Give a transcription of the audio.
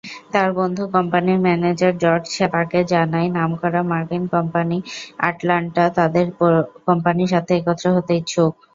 তার বন্ধু কোম্পানীর ম্যানেজার জর্জ তাকে জানায় নামকরা মার্কিন কোম্পানি আটলান্টা তাদের কোম্পানীর সাথে একত্র হতে ইচ্ছুক।